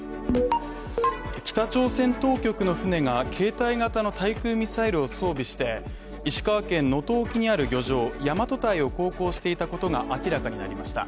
北朝鮮当局の船が携帯型の対空ミサイルを装備して、石川県能登沖にある漁場大和堆を航行していたことが明らかになりました。